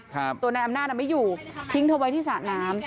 ตัวนายอำนาจอ่ะไม่อยู่ทิ้งเธอไว้ที่สระน้ำ